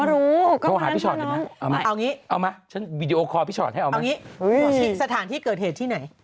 เราว่ารู้